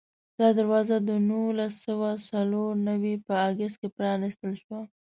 دا دروازه د نولس سوه څلور نوي په اګست کې پرانستل شوه.